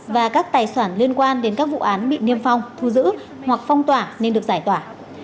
và các tài sản liên quan đến các vụ án bị niêm phong thu giữ hoặc phong tỏa nên được giải tỏa